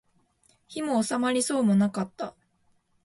火も納まりそうもなかった